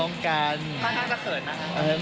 น่ากล้างจะเขินนะ